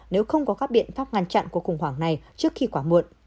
nếu không có các biện pháp ngăn chặn của khủng hoảng này trước khi quá muộn